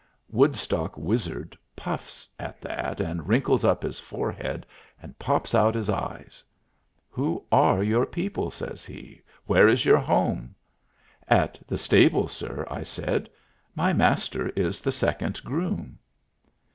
Woodstock Wizard puffs at that and wrinkles up his forehead and pops out his eyes. "Who are your people?" says he. "Where is your home?" "At the stable, sir," I said. "My Master is the second groom."